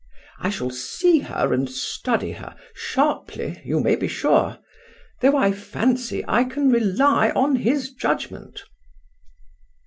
I shall see her and study her, sharply, you may be sure; though I fancy I can rely on his judgement."